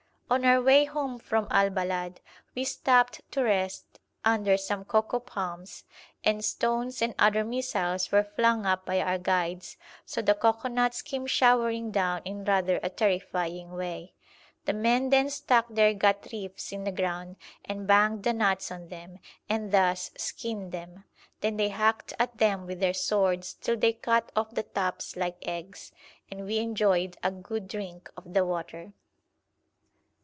On our way home from Al Balad we stopped to rest under some cocoa palms, and stones and other missiles were flung up by our guides, so the cocoanuts came showering down in rather a terrifying way. The men then stuck their ghatrifs in the ground and banged the nuts on them, and thus skinned them. Then they hacked at them with their swords till they cut off the tops like eggs, and we enjoyed a good drink of the water.